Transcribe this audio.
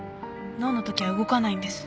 ノーのときは動かないんです